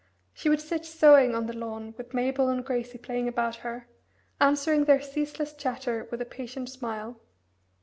She would sit sewing on the lawn with Mabel and Gracie playing about her, answering their ceaseless chatter with a patient smile.